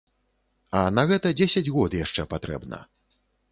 А на гэта дзесяць год яшчэ патрэбна.